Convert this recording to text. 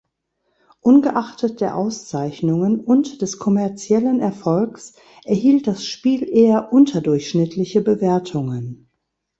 Ungeachtet der Auszeichnungen und des kommerziellen Erfolgs erhielt das Spiel eher unterdurchschnittliche Bewertungen.